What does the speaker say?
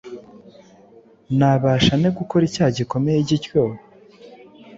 Nabasha nte gukora icyaha gikomeye gityo,